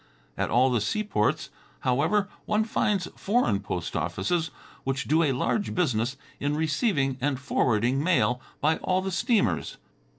At all the seaports, however, one finds foreign post offices, which do a large business in receiving and forwarding mail by all the steamers.